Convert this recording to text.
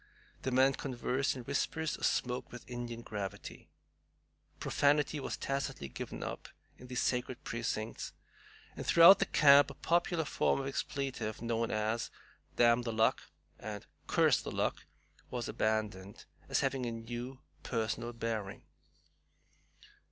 The men conversed in whispers or smoked with Indian gravity. Profanity was tacitly given up in these sacred precincts, and throughout the camp a popular form of expletive, known as "D n the luck!" and "Curse the luck!" was abandoned, as having a new personal bearing.